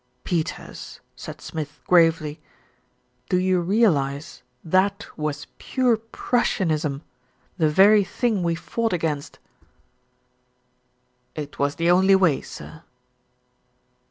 "Peters," said Smith gravely, "do you realise that was pure Prussianism, the very thing we fought against?" 336 THE RETURN OF ALFRED "It was the only way, sir."